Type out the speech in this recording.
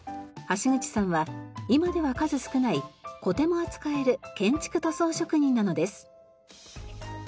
橋口さんは今では数少ないコテも扱える建築塗装職人なのです。